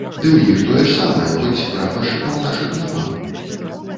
Ды ў іх тое ж самае, хоць прапаршчыкаў нашых няма.